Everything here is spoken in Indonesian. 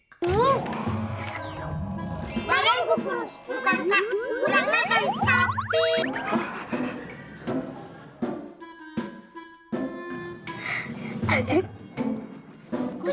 bukan dari kurus